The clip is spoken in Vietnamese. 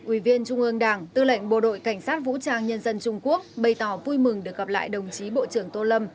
ủy viên trung ương đảng tư lệnh bộ đội cảnh sát vũ trang nhân dân trung quốc bày tỏ vui mừng được gặp lại đồng chí bộ trưởng tô lâm